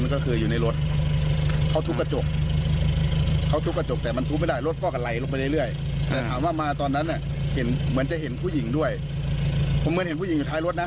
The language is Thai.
เขาอยู่ในรถครับตอนนั้นก็คืออยู่ในรถ